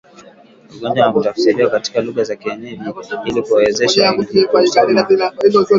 ugonjwa na kutafsiriwa katika lugha za wenyeji ili kuwawezesha wengi kuusoma katika ngazi